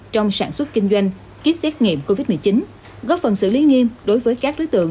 trong sản xuất kinh doanh kit xét nghiệm covid một mươi chín góp phần xử lý nghiêm đối với các đối tượng